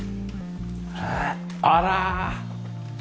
あら。